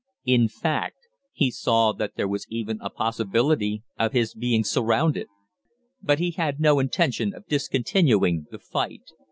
In fact, he saw that there was even a possibility of his being surrounded. But he had no intention of discontinuing the fight.